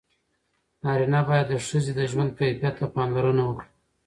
نارینه باید د ښځې د ژوند کیفیت ته پاملرنه وکړي.